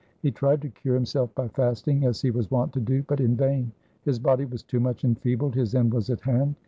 He tried to cure himself by fasting, as he was wont to do ; but in vain : his body was too much enfeebled; his end was at hand.